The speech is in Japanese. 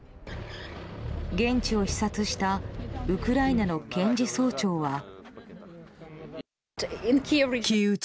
現地を視察したウクライナの検事総長は。